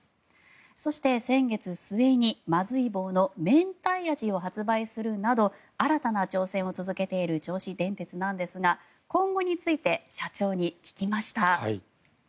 そして、先月末にまずい棒のめんたい味を発売するなど新たな挑戦を続けている銚子電鉄なんですが今後について社長に聞きました。